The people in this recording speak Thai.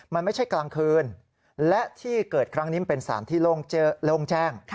มันไม่ใช่กลางคืนและที่เกิดครั้งนี้มันเป็นสารที่โล่งแจ้ง